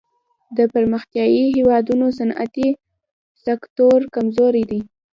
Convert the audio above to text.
د پرمختیايي هېوادونو صنعتي سکتور کمزوری دی.